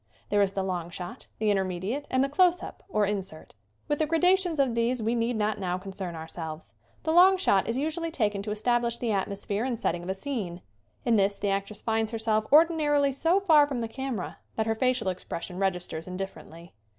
There is the long shot, the interme diate and the close up or insert. With the gra dations of these we need not now concern our selves. The long shot is usually taken to establish the atmosphere and setting of a scene. In this the actress finds herself ordinarily so far from the camera that her facial expression registers indifferently.